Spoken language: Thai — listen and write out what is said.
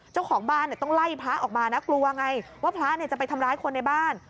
เจ้าของบ้านต้องไล่พระออกมานะกลัวไงว่าพระจะไปทำร้ายคนในบ้าน